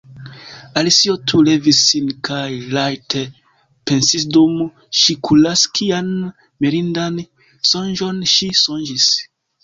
Alicio tuj levis sin kaj rajte pensisdum ŝi kuraskian mirindan sonĝon ŝi sonĝis!